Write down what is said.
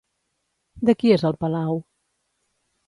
De qui és el palau?